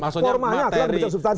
formanya kita sudah sukses